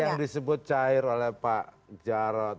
yang disebut cair oleh pak jarod